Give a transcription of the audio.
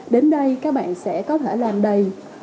đến đây các bạn sẽ có thể làm đầy